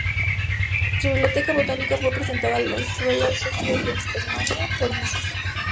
Su biblioteca botánica fue presentada a la "Royal Society of Tasmania" por Mrs.